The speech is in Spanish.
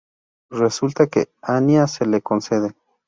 Resulta que Anya se lo concede.